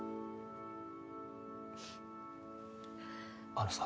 あのさ。